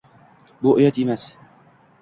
Bu uyat emas